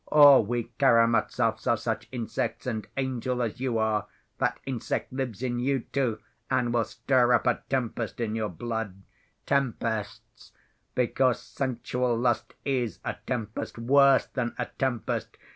All we Karamazovs are such insects, and, angel as you are, that insect lives in you, too, and will stir up a tempest in your blood. Tempests, because sensual lust is a tempest—worse than a tempest!